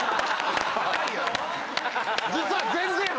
実は。